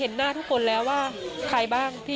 หลังจากผู้ชมไปฟังเสียงแม่น้องชมไป